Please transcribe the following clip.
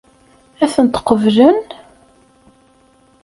Ad ten-qeblen?